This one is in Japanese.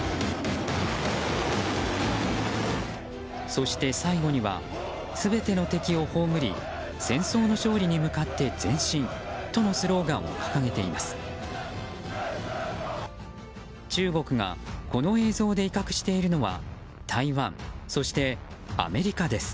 そして最後には「全ての敵を葬り戦争の勝利に向かって前進」とのスローガンを掲げています。